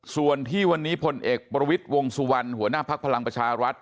ส่วนที่วันนี้พลเอกประวิทย์วงสุวรรณหัวหน้าภักดิ์พลังประชารัฐ